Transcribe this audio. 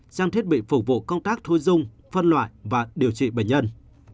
trang thiết bị phục vụ công tác thu dung phân loại và điều trị bệnh nhân